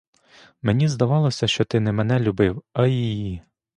Мені здавалося, що ти не мене любив, а її.